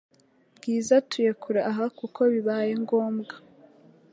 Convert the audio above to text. Bwiza atuye kure aha kuko bibaye ngombwa